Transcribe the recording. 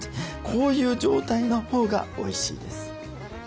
こういう状態のほうがおいしいです。